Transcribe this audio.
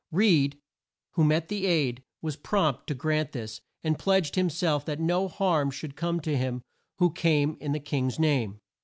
Reed, who met the aide was prompt to grant this and pledged him self that no harm should come to him who came in the King's name.